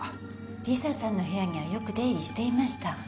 理沙さんの部屋にはよく出入りしていました。